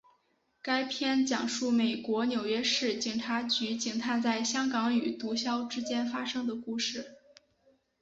该片讲述美国纽约市警察局警探在香港与毒枭之间发生的故事。